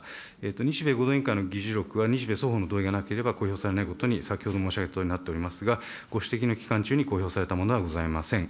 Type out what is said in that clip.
日米合同委員会の議事録は日米双方の同意がなければ公表されないことに先ほど申し上げたとおりなっておりますが、ご指摘の期間中に公表されたものはございません。